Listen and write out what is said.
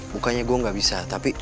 bukannya gue gak bisa tapi